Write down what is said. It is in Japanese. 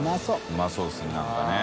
うまそうですね何かね。